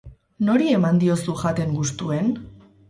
Nori eman diozu jaten gustuen?